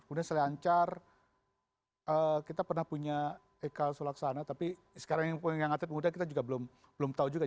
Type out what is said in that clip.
kemudian selancar kita pernah punya ekal sulaksana tapi sekarang yang ngatet mudah kita juga belum tahu juga